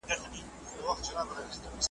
دا ګلونه د پسرلي په پیل کې غوړېږي.